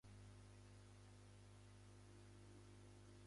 不足を補う